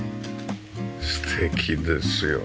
素敵ですよね。